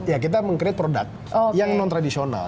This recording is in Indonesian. ya kita meng create product yang non tradisional